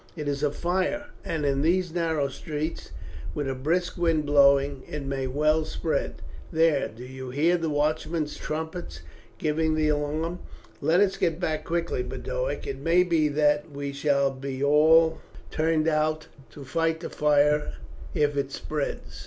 "It is a fire, and in these narrow streets, with a brisk wind blowing, it may well spread. There, do you hear the watchmen's trumpets giving the alarm? Let us get back quickly, Boduoc. It may be that we shall be all turned out to fight the fire if it spreads."